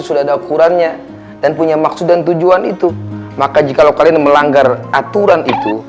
sudah ada ukurannya dan punya maksud dan tujuan itu maka jika lo kalian melanggar aturan itu